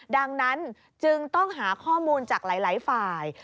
ดังนั้นจึงต้องหาข้อมูลจากหลายฝ่าย